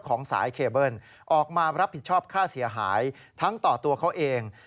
ออกมารับผิดชอบค่าเสียหายทั้งต่อตัวเขาเอง